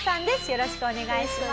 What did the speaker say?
よろしくお願いします。